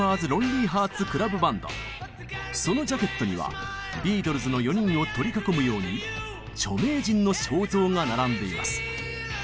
そのジャケットにはビートルズの４人を取り囲むように著名人の肖像が並んでいます。